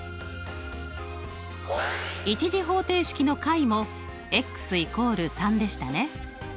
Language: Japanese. １次方程式の解も＝３でしたね。